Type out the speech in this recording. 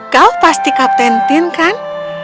kau pasti kapten tim kan